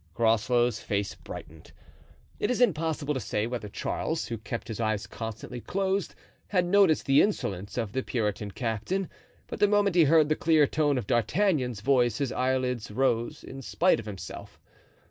Groslow's face brightened. It is impossible to say whether Charles, who kept his eyes constantly closed, had noticed the insolence of the Puritan captain, but the moment he heard the clear tone of D'Artagnan's voice his eyelids rose, in spite of himself.